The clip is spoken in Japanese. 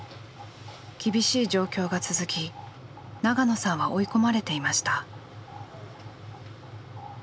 厳しい状況が続き長野さんは追い込まれていました。